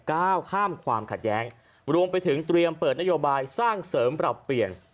ก้าวข้ามความขัดแย้งรวมไปถึงเตรียมเปิดนโยบายสร้างเสริมปรับเปลี่ยน